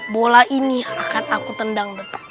bola ini akan aku tendang